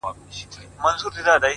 o په مټي چي وكړه ژړا پر ځـنـگانــه ـ